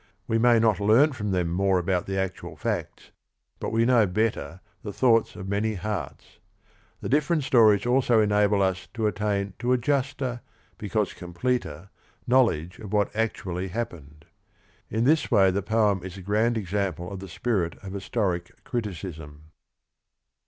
We may not learn from them more about the actual facts, but we know better the thoughts of many hearts. The different stories also enable us to attain to a juster, because completer, knowl edge of what actually happened. In this way the poem is a grand example of the spirit of historic criticism.